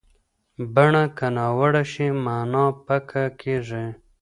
بڼه که ناوړه شي، معنا پیکه کېږي.